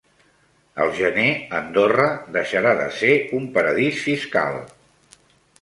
Al gener Andorra deixarà de ser un paradís fiscal